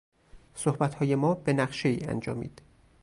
صحبتهای ما به نقشهای انجامید.